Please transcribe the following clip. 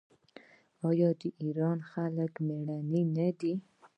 آیا د ایران خلک میړني نه دي؟